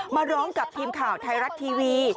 มาร้องกับทีมข่าวไทยรัฐทีวี